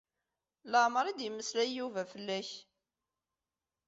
Leɛmeṛ i d-yemmeslay Yuba fell-ak.